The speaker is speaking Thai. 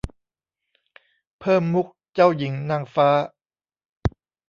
เพิ่มมุขเจ้าหญิงนางฟ้า